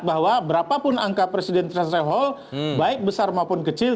bahwa berapapun angka presidential threshold baik besar maupun kecil